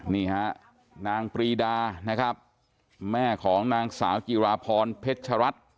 นี่ฮะนางปรีดานะครับแม่ของนางสาวจิราพรเพชรัตน์